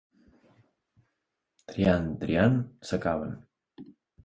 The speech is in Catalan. Triant, triant, s'acaben.